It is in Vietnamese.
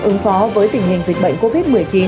ứng phó với tình hình dịch bệnh covid một mươi chín